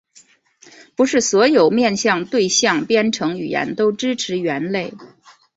不是所有面向对象编程语言都支持元类。